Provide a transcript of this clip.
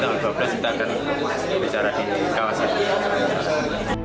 dan tanggal dua belas kita akan bicara di kawasan